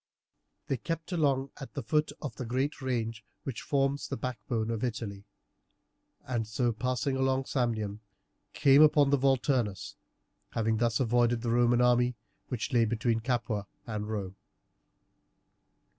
They kept along at the foot of the great range which forms the backbone of Italy, and so passing along Samnium, came down upon the Volturnus, having thus avoided the Roman army, which lay between Capua and Rome.